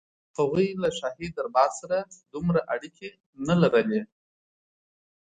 هغوی له شاهي دربار سره دومره اړیکې نه لرلې.